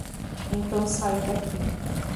Então saia daqui.